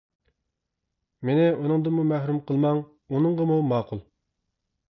مېنى ئۇنىڭدىنمۇ مەھرۇم قىلماڭ. — ئۇنىڭغىمۇ ماقۇل.